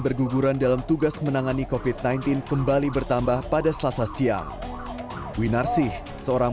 berguguran dalam tugas menangani kofit sembilan belas kembali bertambah pada selasa siang winarsih seorang